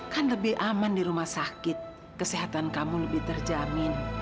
kan lebih aman di rumah sakit kesehatan kamu lebih terjamin